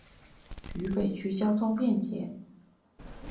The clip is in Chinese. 渝北区交通便捷。